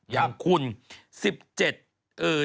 อย่างคุณ๑๗อือเดือน๗อ่ะ